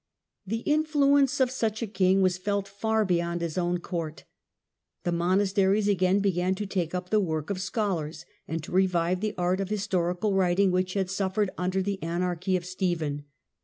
The influence of such a king was felt far beyond his own court. The monasteries again began to take up the work of scholars, and to revive the art of historical writing which had suffered under the anarchy of Stephen.